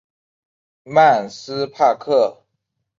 曼斯帕克。